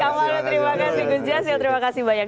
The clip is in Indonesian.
kamu harus terima kasih gus jasil terima kasih banyak